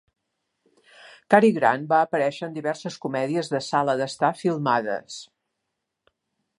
Cary Grant va aparèixer en diverses comèdies de sala d'estar filmades.